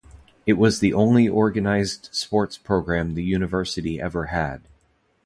It was the only organized sports program the university ever had.